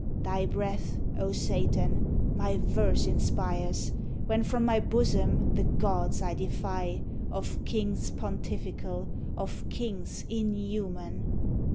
Thy breath, O Satan! My verse inspires, When from my bosom The gods I defy Of kings pontifical, Of kings inhuman.